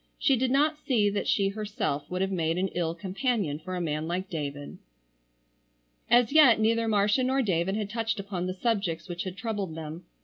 She did not see that she herself would have made an ill companion for a man like David. As yet neither Marcia nor David had touched upon the subjects which had troubled them.